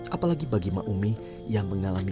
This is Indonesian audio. apalagi bagi maumi yang mengalami